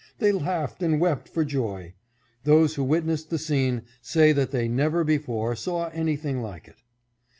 They laughed and wept for joy. Those who witnessed the scene say that they never before saw anything like it.